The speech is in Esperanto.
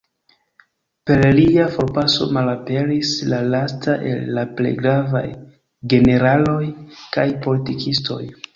Per lia forpaso, malaperis la lasta el la plej gravaj generaloj kaj politikistoj.